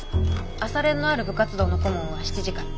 朝練のある部活動の顧問は７時から。